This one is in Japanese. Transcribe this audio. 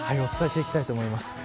お伝えしていきたいと思います。